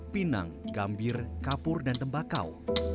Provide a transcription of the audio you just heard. pinang gambir kapur dan tembakau